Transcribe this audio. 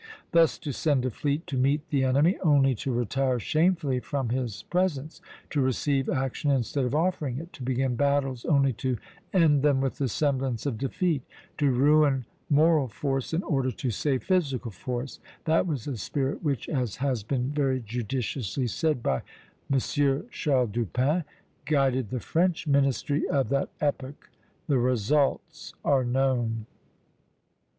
Thus to send a fleet to meet the enemy, only to retire shamefully from his presence; to receive action instead of offering it; to begin battles only to end them with the semblance of defeat; to ruin moral force in order to save physical force, that was the spirit which, as has been very judiciously said by M. Charles Dupin, guided the French ministry of that epoch. The results are known."